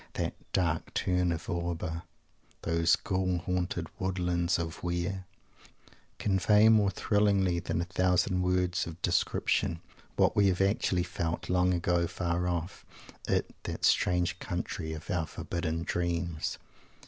That "dark tarn of Auber," those "Ghoul haunted woodlands of Weir" convey, more thrillingly than a thousand words of description, what we have actually felt, long ago, far off, in that strange country of our forbidden dreams.